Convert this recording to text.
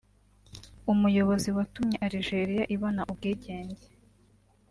umuyobozi watumye Alijeriya ibona ubwigenge